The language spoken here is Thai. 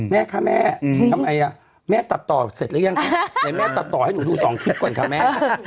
แม่คะแม่ทำไงแม่ตัดต่อเสร็จหรือยังไหนแม่ตัดต่อให้หนูดูสองคลิปก่อนค่ะแม่